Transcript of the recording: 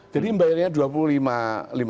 jadi bayarnya dua puluh lima lima ratus rupiah